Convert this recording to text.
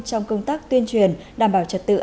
trong công tác tuyên truyền đảm bảo trật tự